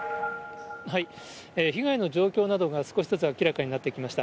被害の状況などが少しずつ明らかになってきました。